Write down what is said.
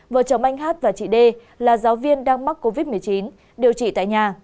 vợ chồng anh hát và chị đê là giáo viên đang mắc covid một mươi chín điều trị tại nhà